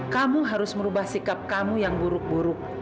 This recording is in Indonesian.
kamuh harus merubah sikap kamuh yang buruk buruk